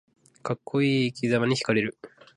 かっこいい生きざまにひかれる